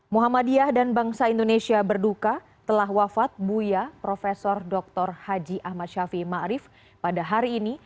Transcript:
muhammadiyah dan bangsa indonesia berduka telah wafat buya prof dr haji ahmad syafi ma'arif pada hari ini